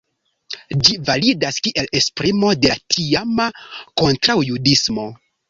Ĝi validas kiel esprimo de la tiama kontraŭjudismo.